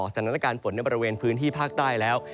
สถานการณ์ฝนในบริเวณพื้นที่ภาคใต้แล้ว